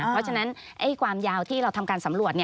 เพราะฉะนั้นความยาวที่เราทำการสำรวจ